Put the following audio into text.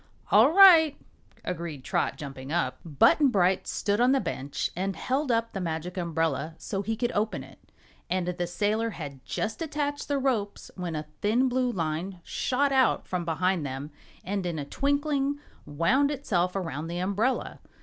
"All right," agreed Trot, jumping up. Button Bright stood on the bench and held up the Magic Umbrella, so he could open it, and the sailor had just attached the ropes when a thin blue line shot out from behind them and in a twinkling wound itself around the umbrella.